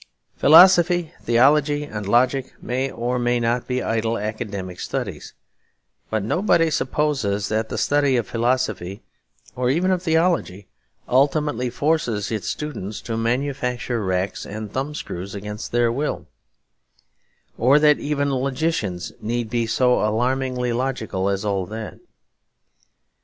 Philosophy, theology and logic may or may not be idle academic studies; but nobody supposes that the study of philosophy, or even of theology, ultimately forces its students to manufacture racks and thumb screws against their will; or that even logicians need be so alarmingly logical as all that.